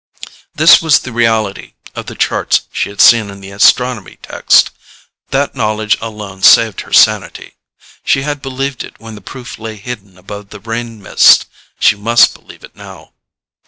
This was the reality of the charts she had seen in the astronomy text: that knowledge alone saved her sanity. She had believed it when the proof lay hidden above the rain mist; she must believe it now.